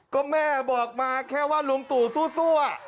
ก็แม่บอกมาแค่ว่าลุงตู่สู้อะ